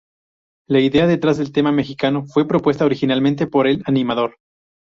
La idea detrás del tema mexicano fue propuesta originalmente por el animador.